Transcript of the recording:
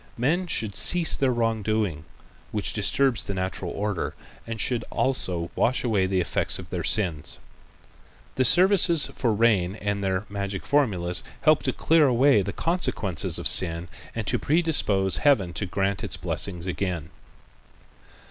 Men should cease their wrongdoing which disturbs the natural order and should also wash away the effects of their sins. The services for rain with their magic formulas help to clear away the consequences of sin and to predispose Heaven to grant its blessings again.